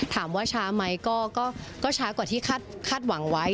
ถามว่าช้าไหมก็ช้ากว่าที่คาดหวังไว้